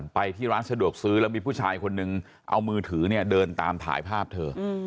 ไปที่ร้านสะดวกซื้อแล้วมีผู้ชายคนนึงเอามือถือเนี่ยเดินตามถ่ายภาพเธอ